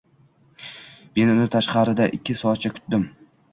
Men uni tashqarida ikki soatcha kutdim